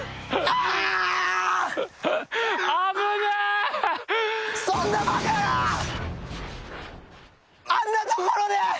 あんなところで！